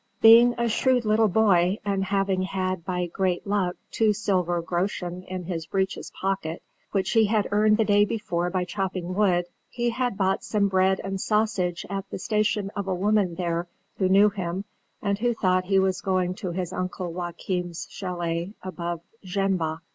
Being a shrewd little boy, and having had by great luck two silver groschen in his breeches pocket, which he had earned the day before by chopping wood, he had bought some bread and sausage at the station of a woman there who knew him, and who thought he was going out to his uncle Joachim's châlet above Jenbach.